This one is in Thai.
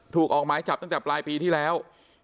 ออกหมายจับตั้งแต่ปลายปีที่แล้ว